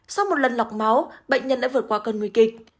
sau một lần lọc máu bệnh nhân đã vượt qua cơn nguy kịch